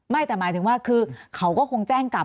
แต่หมายถึงว่าคือเขาก็คงแจ้งกลับ